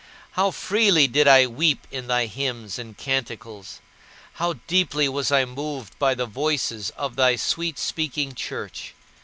How freely did I weep in thy hymns and canticles; how deeply was I moved by the voices of thy sweet speaking Church!